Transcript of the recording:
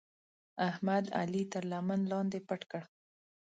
احمد؛ علي تر لمن لاندې پټ کړ.